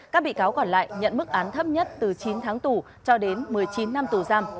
các bị cáo còn lại nhận mức án thấp nhất từ chín tháng tù cho đến một mươi chín năm tù giam